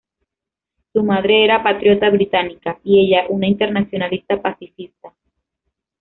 Su madre era patriota británica y ella una internacionalista pacifista.